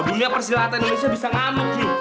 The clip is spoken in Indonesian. dunia persilatan indonesia bisa ngamuk nih